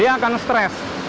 dia akan stress